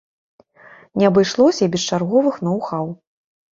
Не абышлося і без чарговых ноў-хаў.